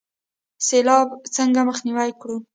سیلاب څنګه مخنیوی کړو؟